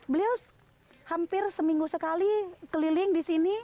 beliau hampir seminggu sekali keliling di sini